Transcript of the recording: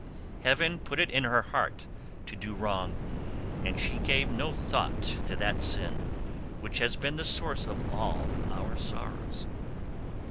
Heaven put it in her heart to do wrong, and she gave no thought to that sin, which has been the source of all our sorrows.